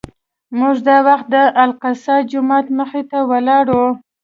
موږ دا وخت د الاقصی جومات مخې ته ولاړ وو.